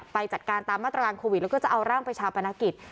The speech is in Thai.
ไปจัดการตามมาตรการโควิดแล้วก็จะเอาร่างไปชาปนกิจ